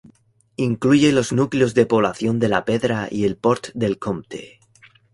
Incluye los núcleos de población de La Pedra y el Port del Compte.